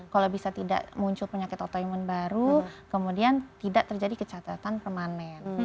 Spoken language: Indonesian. kalau bisa tidak muncul penyakit autoimun baru kemudian tidak terjadi kecatatan permanen